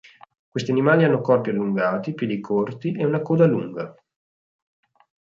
Questi animali hanno corpi allungati, piedi corti, e una coda lunga.